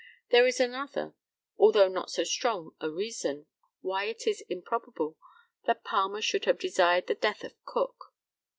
There is another, although not so strong a reason, why it is improbable that Palmer should have desired the death of Cook.